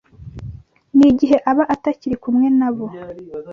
n’igihe aba atakiri kumwe na bo